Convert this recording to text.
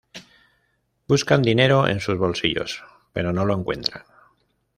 Buscan dinero en sus bolsillos, pero no lo encuentran.